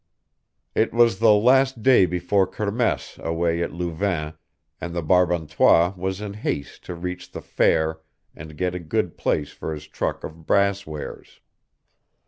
It was the last day before Kermesse away at Louvain, and the Brabantois was in haste to reach the fair and get a good place for his truck of brass wares.